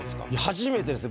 初めてです。